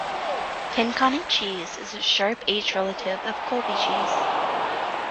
Pinconning cheese is a sharp aged relative of Colby cheese.